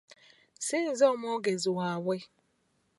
si nze omwogezi waabwe.